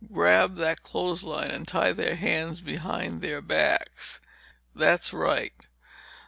"Grab that clothesline and tie their hands behind their backs. That's right!